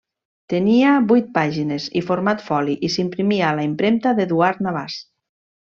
Tenia vuit pàgines i format foli i s'imprimia a la Impremta d'Eduard Navàs.